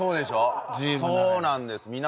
そうなんです！